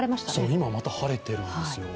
今また晴れているんですよ。